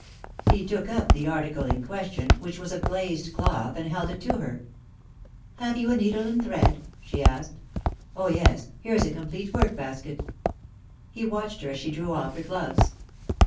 He took up the article in question, which was of glazed cloth, and held it to her. "Have you a needle and thread?" she asked. "Oh yes; here's a complete work basket." He watched her as she drew off her gloves.